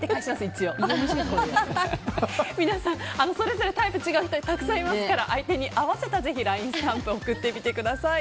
皆さんそれぞれタイプが違う人たくさんいますから相手に合わせたＬＩＮＥスタンプを送ってみてください。